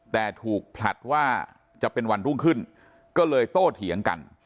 แต่ถูกผลัดว่าจะเป็นวันรุ่งขึ้นก็เลยโตเถียงกัน